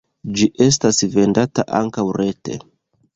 Ĝi estas vendata ankaŭ rete.